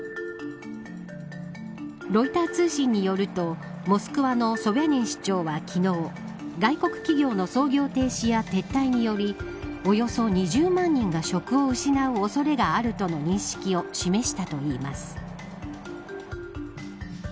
ロイター通信によりますとモスクワのソビャニン市長は昨日外国企業の操業停止や撤退によりおよそ２０万人が職を失う恐れがあるとの認識を示したといいます。